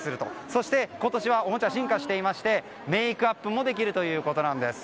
そして今年はおもちゃ進化していましてメイクアップもできるということなんです。